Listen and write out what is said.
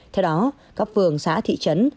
theo đó các phường xã thị trấn